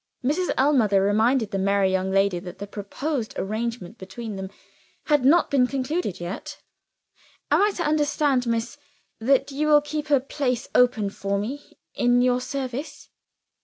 Mrs. Ellmother reminded the merry young lady that the proposed arrangement between them had not been concluded yet. "Am I to understand, miss, that you will keep a place open for me in your service?"